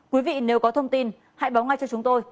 quý vị nếu có thông tin hãy báo ngay cho chúng tôi